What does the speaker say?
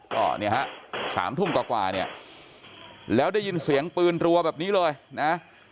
ก็เนี่ยฮะ๓ทุ่มกว่าเนี่ยแล้วได้ยินเสียงปืนรัวแบบนี้เลยนะ